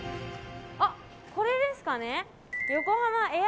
あ、これですかね。